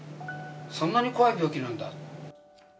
そんなに怖い病気なんだ。